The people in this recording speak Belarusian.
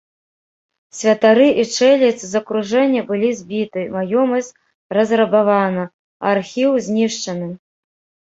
Святары і чэлядзь з акружэння былі збіты, маёмасць разрабавана, а архіў знішчаны.